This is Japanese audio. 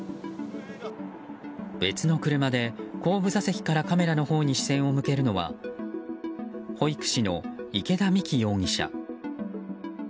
別の車で後部座席からカメラのほうに視線を向けるのは保育士の池田美貴容疑者。